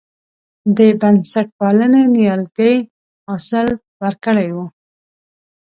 د بنسټپالنې نیالګي حاصل ورکړی و.